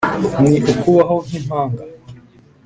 ni ukubaho nk’impanga